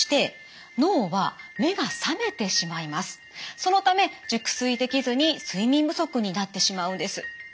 そのため熟睡できずに睡眠不足になってしまうんです。